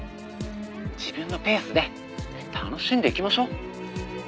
「自分のペースで楽しんでいきましょう！」